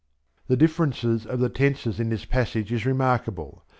The difference of the tenses in this passage is remarkable.